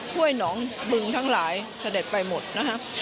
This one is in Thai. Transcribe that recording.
ห้วยหนองบึงทั้งหลายเสด็จไปหมดนะครับ